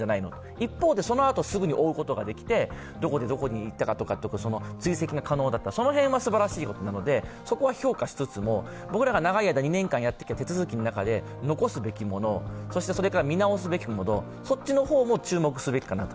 一方、その後すぐに追跡できてどこでどこに行ったか追跡が可能だった、その辺はすばらしいことなので、そこは評価しつつも、僕らが２年間やってきた手続きの中で残すべきもの、それから見直すべきものも注目すべきかなと。